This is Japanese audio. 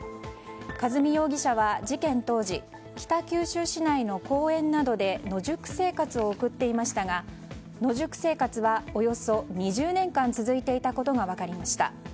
和美容疑者は、事件当時北九州市内の公園などで野宿生活を送っていましたが野宿生活はおよそ２０年間続いていたことが分かりました。